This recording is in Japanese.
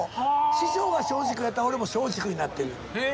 師匠が松竹やったら俺も松竹になってる。